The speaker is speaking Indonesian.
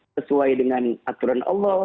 sesuai dengan aturan allah